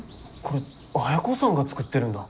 これ綾子さんが作ってるんだ。